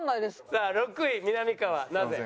さあ６位みなみかわなぜ？